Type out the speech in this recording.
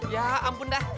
ya ampun dah